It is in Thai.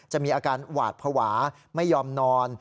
มีอาการหวาดภาวะไม่ยอมนอน